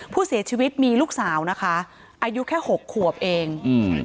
ผู้เสียชีวิตมีลูกสาวนะคะอายุแค่หกขวบเองอืม